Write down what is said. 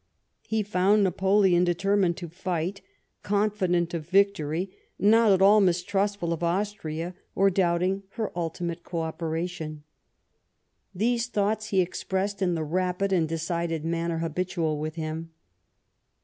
He "found Napoleon determined to fight, confident of victory, not at all mistrustful of Austria, or THE SPRING OF 1813. 89* doubting her ultimate co operation. These thoughts he expressed in the rapid and decided manner habitual with him.